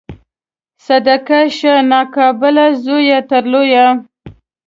صدقه شه ناقابل زویه تر لوره